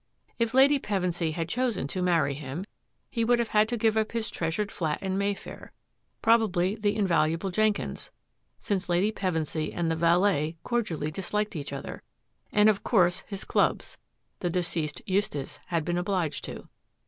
If Lady Pevensy had chosen to marry him, he would have had to give up his treasured flat in Mayfair; probably the invaluable Jenkins, — since Lady Pevensy and the valet cordially disliked each other ; and of course his clubs — the deceased Eustace had been obliged to.